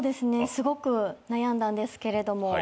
すごく悩んだんですけれども。